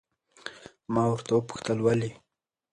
ما ورته وپوښتل ولې؟